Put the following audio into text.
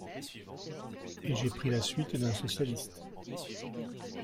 Et j’ai pris la suite d’un socialiste